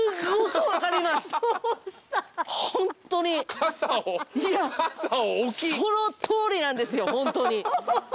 そのとおりなんですよホントに。